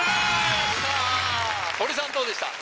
堀さんどうでした？